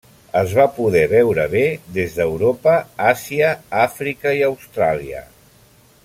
Es va poder veure bé des d'Europa, Àsia, Àfrica i Austràlia.